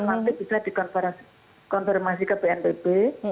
nanti bisa dikonfirmasi ke bnpb